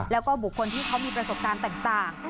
แล้วก็บุคคลที่เขามีประสบการณ์ต่าง